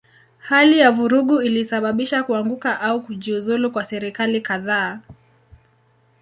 Hali ya vurugu ilisababisha kuanguka au kujiuzulu kwa serikali kadhaa.